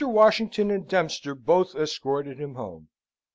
Washington and Dempster both escorted him home.